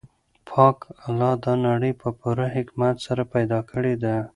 پاک الله دا نړۍ په پوره حکمت سره پیدا کړې ده.